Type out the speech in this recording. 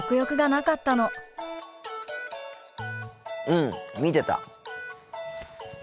うん見てた。